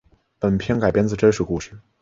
本片改编自真实故事。